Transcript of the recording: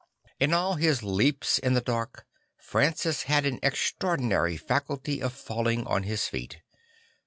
In all his leaps in the dark, Francis had an extraordinary faculty of falling on his feet.